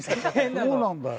そうなんだよ。